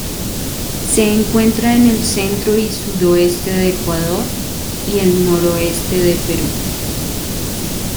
Se encuentra en el centro y sudoeste de Ecuador y el noroeste de Perú.